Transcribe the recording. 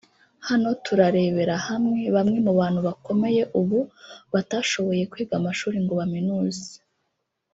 Hano turarebera hamwe bamwe mu bantu bakomeye ubu batashoboye kwiga amashuri ngo baminuze